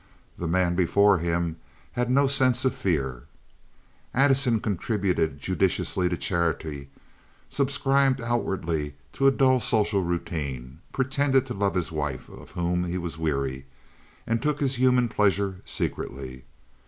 The man before him had no sense of fear. Addison contributed judiciously to charity, subscribed outwardly to a dull social routine, pretended to love his wife, of whom he was weary, and took his human pleasure secretly.